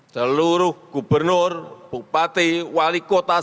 seluruh gubernur bupati wali kota